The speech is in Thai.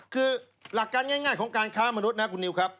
คือหลักการง่ายของการค้ามนุษย์นะคุณนิวครับ